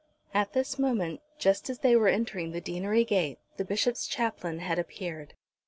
At this moment, just as they were entering the deanery gate, the Bishop's chaplain had appeared.